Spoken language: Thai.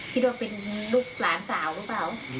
คิดว่าเป็นลูกหลานสาวหรือเปล่า